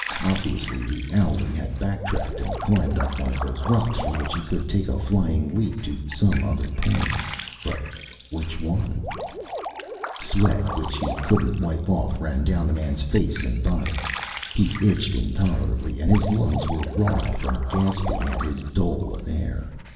Obviously the owlie had backtracked and climbed up one of those rocks, from which he could take a flying leap to some other point. But which one? Sweat which he couldn't wipe off ran down the man's face and body. He itched intolerably, and his lungs were raw from gasping at his dole of air.